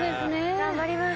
頑張ります。